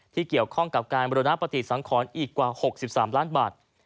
ที่เกี่ยวข้องกับการบรรณปฏิสังขรอีกกว่า๖๓ล้านบาท